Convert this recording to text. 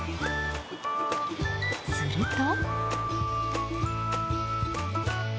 すると。